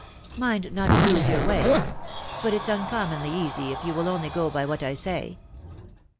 Mind not to lose your way ; but it's uncommonly easy if you will only go by what I say.